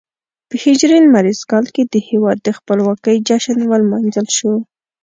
په هجري لمریز کال کې د هېواد د خپلواکۍ جشن ولمانځل شو.